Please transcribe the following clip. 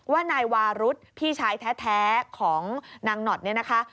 ว่านายวารุธพี่ชายแท้ของนางหนอดเนี่ยนะคะ